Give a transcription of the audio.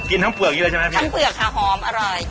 ทั้งเปลือกอย่างนี้เลยใช่ไหมครับทั้งเปลือกค่ะหอมอร่อย